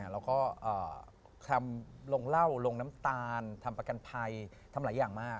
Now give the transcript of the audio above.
แล้วก็ทำลงเหล้าลงน้ำตาลทำประกันภัยทำหลายอย่างมาก